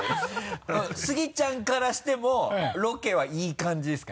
スギちゃんからしてもロケはいい感じですか？